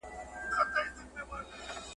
هر عمل یې د شیطان وي په خلوت کي !.